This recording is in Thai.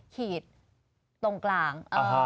ขีดตรงกลาง